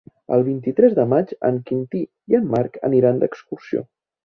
El vint-i-tres de maig en Quintí i en Marc aniran d'excursió.